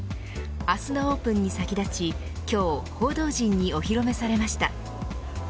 明日のオープンに先立ち今日、報道陣にお披露目されました。